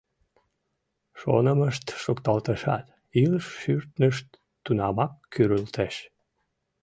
Шонымышт шукталтешат, илыш шӱртышт тунамак кӱрылтеш.